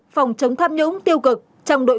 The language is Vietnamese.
phòng chống tham nhũng tiêu cực trong đội